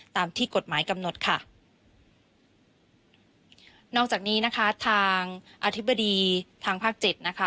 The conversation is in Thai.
ตามที่กฎหมายกำหนดค่ะนอกจากนี้นะคะทางอธิบดีทางภาคเจ็ดนะคะ